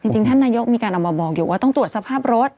จริงท่านนายกมีการออกมาบอกอยู่ว่าต้องตรวจสภาพรถ